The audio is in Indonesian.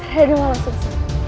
raden orang susu